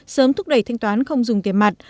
sớm thúc đẩy thanh toán không dùng tiền mặt